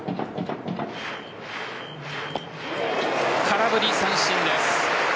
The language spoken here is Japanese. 空振り三振です。